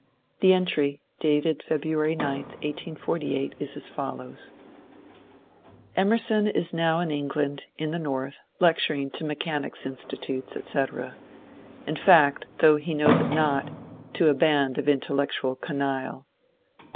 The entry, dated February 9, 1848, is as follows :— Emerson is now in England, in the north, lecturing to Me chanics' Institutes, etc., — in fact, though he knows it not, to a band of intellectual canaille.